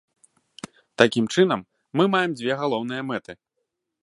Такім чынам, мы маем дзве галоўныя мэты.